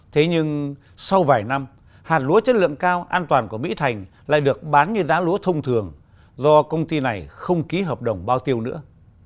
thế nhưng sau vài năm hạt lúa chất lượng cao an toàn của mỹ thành lại được bán như giá lúa thông thường do công ty này không ký hợp đồng bao tiêu nữa